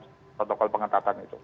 protokol pengatatan itu